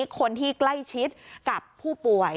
คนที่ใกล้ชิดกับผู้ป่วย